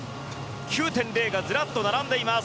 ９．０がずらっと並んでいます。